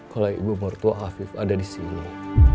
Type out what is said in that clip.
kalau ibu mertua afif ada di sini